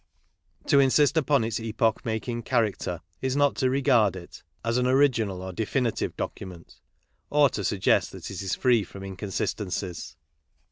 To insia|^iBon its epoch making character is not to. regard it^^p^n original or definitive document or to; suggest that it is free from inconsistencies.